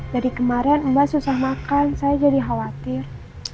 dari kemarin mbak susah makan saya jadi khawatir